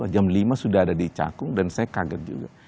jam lima sudah ada di cakung dan saya kaget juga